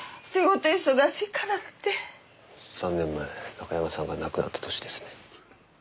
中山さんが亡くなった年ですね。